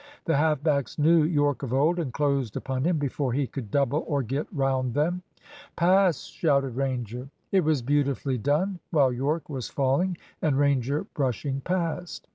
The half backs knew Yorke of old, and closed upon him before he could double or get round them. "Pass!" shouted Ranger. It was beautifully done, while Yorke was falling and Ranger brushing past.